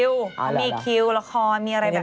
อ๋อแล้วล่ะเขามีคิวละครมีอะไรแบบนี้